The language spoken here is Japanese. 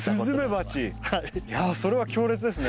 いやそれは強烈ですね。